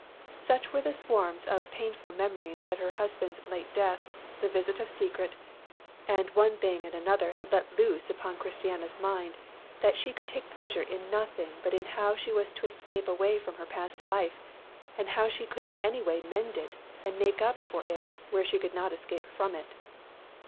Such were the swarms of painful memories that her husband's late death, the visit of Secret, and one thing and another had let loose upon Christiana's mind, that she could take pleasure in nothing but in how she was to escape away from her past life, and how she could in any way mend it and make up for it where she could not escape from it.